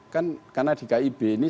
kan karena di kib ini